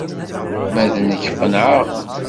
Ma d nekk, qenɛeɣ.